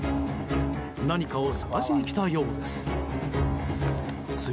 何かを探しに来たようです。